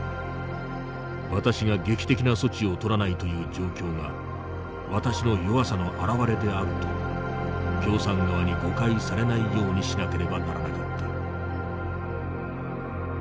私が劇的な措置をとらないという状況が私の弱さの表れであると共産側に誤解されないようにしなければならなかった」。